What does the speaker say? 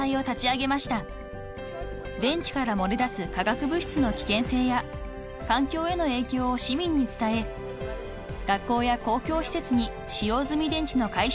［電池から漏れ出す化学物質の危険性や環境への影響を市民に伝え学校や公共施設に使用済み電池の回収ボックスを設置します］